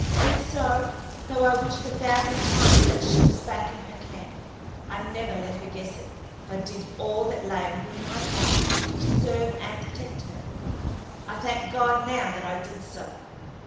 And so, though I wished a thousand times that she was back in her camp, I never let her guess it, but did all that lay within my power to serve and protect her. I thank God now that I did so.